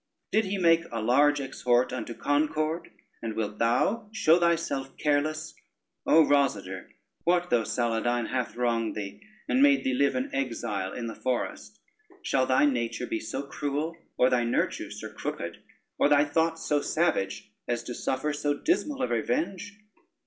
Did he make a large exhort unto concord, and wilt thou show thyself careless? O Rosader, what though Saladyne hath wronged thee, and made thee live an exile in the forest, shall thy nature be so cruel, or thy nurture so crooked, or thy thoughts so savage, as to suffer so dismal a revenge?